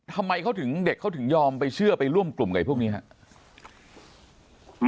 ทำไมเขาถึงเด็กเขาถึงยอมไปเชื่อไปร่วมกลุ่มกับพวกนี้ครับ